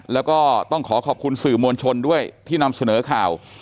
แล้วก็ต้องขอขอบคุณสื่อมวลชนด้วยที่นำเสนอข่าว